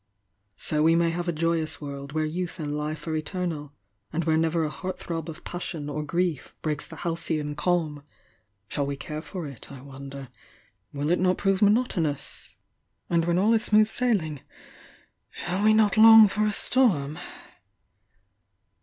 So we may have a joyous world, where youth and life are eter nal, and where never a heart throb of passion or grief breaks the halcyon calm! Shall we care for it, I wonder? Will it not prove monotonous? — and when all is smooth sailing, shall we not long for a storm?"